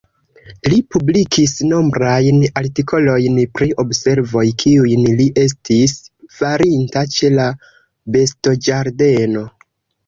Li publikis nombrajn artikolojn pri observoj kiujn li estis farinta ĉe la bestoĝardeno.